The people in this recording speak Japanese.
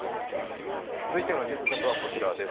続いてのニュース、こちらです。